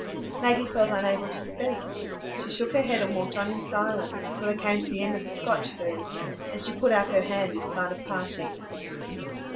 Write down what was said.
Maggie felt unable to speak. She shook her head and walked on in silence, till they came to the end of the Scotch firs, and she put out her hand in sign of parting.